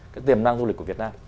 cái tiềm năng du lịch của việt nam